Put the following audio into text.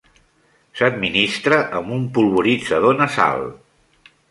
S'administra amb un polvoritzador nasal.